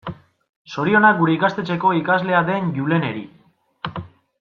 Zorionak gure ikastetxeko ikaslea den Juleneri.